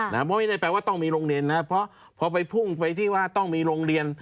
เพราะไม่ได้แปลว่าต้องมีโรงเรียนนะเพราะพอไปพุ่งไปที่ว่าต้องมีโรงเรียน